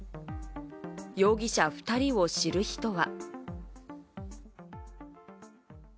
容疑者２人を知る人は。